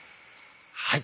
はい！